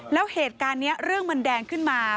แล้วเหตุการณ์นี้เรื่องมันแดงขึ้นมา